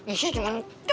isinya cuman keman